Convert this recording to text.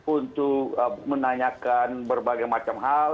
untuk menanyakan berbagai macam hal